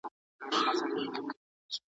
کله کله او حتی اکثر وختونه `